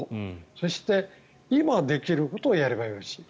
そして、今できることをやればよろしい。